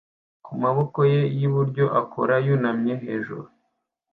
kumaboko ye yi buryo akora yunamye hejuru